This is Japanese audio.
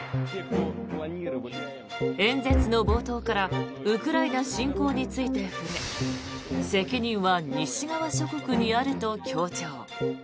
演説の冒頭からウクライナ侵攻について触れ責任は西側諸国にあると強調。